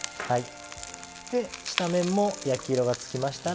下面も焼き色がつきましたら。